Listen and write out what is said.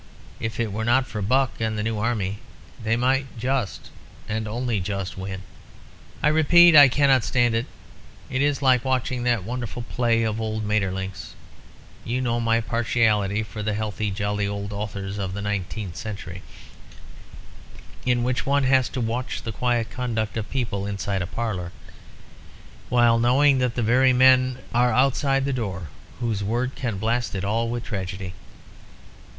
If it were not for Buck and the new army they might just, and only just, win. "I repeat, I cannot stand it. It is like watching that wonderful play of old Maeterlinck's (you know my partiality for the healthy, jolly old authors of the nineteenth century), in which one has to watch the quiet conduct of people inside a parlour, while knowing that the very men are outside the door whose word can blast it all with tragedy.